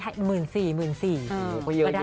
เยอะอยู่ด้วย